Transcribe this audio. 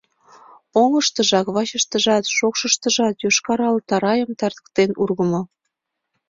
Оҥыштыжак вачыштыжат, шокшыштыжат йошкар-ал тарайым тыртыктен ургымо.